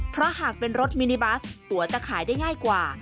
เพราะหากเป็นรถมินิบัสตัวจะขายได้ง่ายกว่า